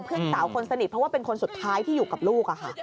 เพื่อนสาวคนสนิทเพราะว่าเป็นคนสุดท้ายที่อยู่กับลูก